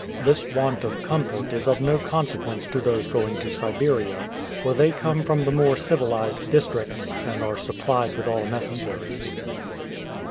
This want of comfort is of no consequence to those going to Siberia, for they come from the more civilized districts, and are supplied with all necessaries.